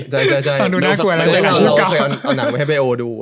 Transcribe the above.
ใบโอเคยเอาหนังไว้ให้ใบโอดู